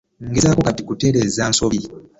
Ngezaako kati kutereeza nsobi.